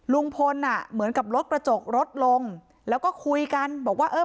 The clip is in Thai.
ลุงพลอ่ะเหมือนกับรถกระจกรถลงแล้วก็คุยกันบอกว่าเออ